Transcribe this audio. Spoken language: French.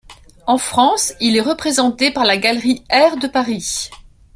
En France, il est représenté par la galerie Air de Paris.